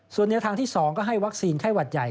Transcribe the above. ส่วนแนวทางที่๒ก็ให้วัคซีนไข้หวัดใหญ่